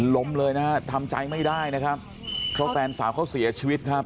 ล้มเลยนะฮะทำใจไม่ได้นะครับเพราะแฟนสาวเขาเสียชีวิตครับ